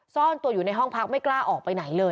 ซ่อนตัวอยู่ในห้องพักไม่กล้าออกไปไหนเลย